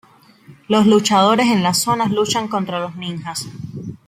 Los luchadores en las zonas luchan contra los ninjas.